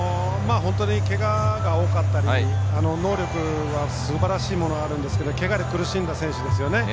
本当に、けがが多かったり能力はすばらしいものがあるんですがけがで苦しんだ選手ですよね。